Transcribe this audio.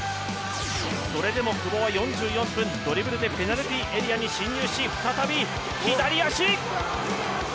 それでも久保は４４分、ドリブルでペナルティーエリアに侵入し再び左足。